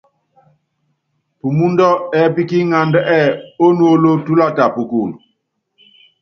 Pumúndɛ́ ɛ́ɛ́pí kí iŋánda ɛ́ɛ́: Ónuólo túlata pukul.